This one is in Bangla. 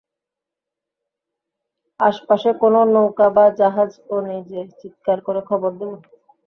আশপাশে কোনো নৌকা বা জাহাজও নেই যে চিৎকার করে খবর দেব।